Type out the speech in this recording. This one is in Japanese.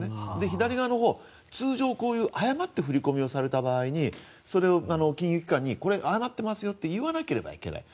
左側のほうは通常誤って振り込みをされた場合にそれを金融機関に誤っていますよと言わなければいけない。